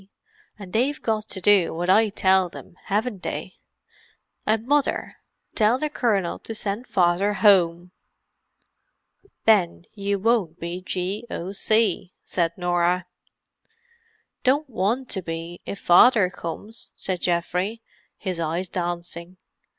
and they've got to do what I tell them, haven't they? And Mother—tell the Colonel to send Father home." "Then you won't be G.O.C.," said Norah. "Don't want to be, if Father comes," said Geoffrey, his eyes dancing.